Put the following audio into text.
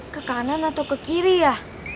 ke kanan atau ke kiri ya